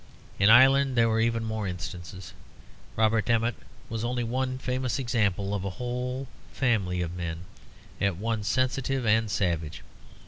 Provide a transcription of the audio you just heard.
In Ireland there were even more instances. Robert Emmet was only one famous example of a whole family of men at once sensitive and savage.